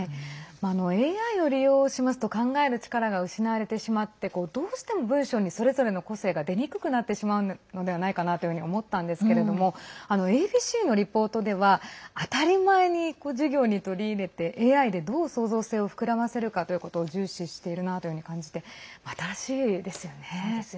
ＡＩを利用しますと考える力が失われてしまってどうしても文章にそれぞれの個性が出にくくなってしまうのではないかなというふうに思ったんですけれどもＡＢＣのリポートでは当たり前に授業に取り入れてＡＩで、どう創造性を膨らませるかということを重視しているなというように感じて、新しいですよね。